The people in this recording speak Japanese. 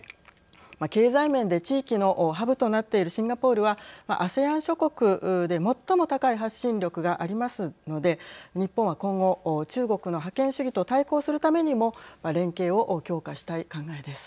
経済面で地域のハブとなっているシンガポールはＡＳＥＡＮ諸国で最も高い発信力がありますので日本は今後、中国の覇権主義と対抗するためにも連携を強化したい考えです。